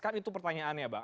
kan itu pertanyaannya bang